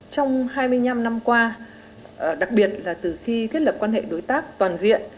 trong hai mươi năm năm qua đặc biệt là từ khi thiết lập quan hệ đối tác toàn diện